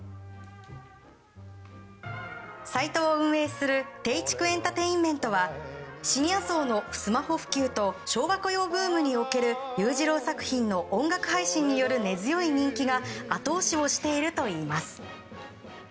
サイトを運営するテイチクエンタテインメントはシニア層のスマホ普及と昭和歌謡ブームにおける裕次郎作品の音楽配信による根強い人気が後押しをしているといいます。